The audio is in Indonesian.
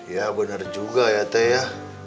ya benar juga ya teh ya